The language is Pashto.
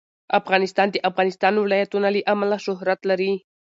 افغانستان د د افغانستان ولايتونه له امله شهرت لري.